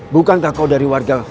bukankah kau dari warga